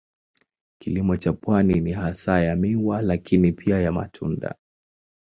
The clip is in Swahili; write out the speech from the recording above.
Kilimo cha pwani ni hasa ya miwa lakini pia ya matunda.